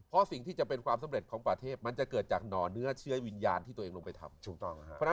เพราะสิ่งที่จะเป็นความสำเร็จของประเทศมันจะเกิดจากหน่อเนื้อเชื้อวิญญาณที่ตัวเองลงไปทำถูกต้องนะครับ